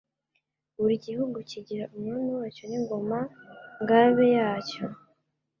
buri gihugu kikagira Umwami wacyo n'Ingoma–Ngabe yacyo